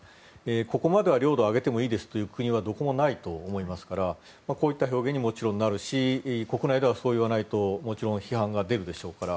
ここまでは領土をあげてもいいですという国はどこもないと思いますからこういった表現にもちろんなるし国内ではそう言わないと批判が出るでしょうから。